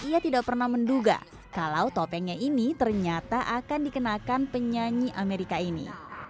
ia tidak pernah menduga kalau topengnya ini ternyata akan dikenakan penyanyi amerika ini